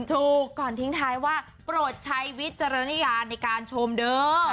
ถูกก่อนทิ้งท้ายว่าโปรดใช้วิจารณญาณในการชมเด้อ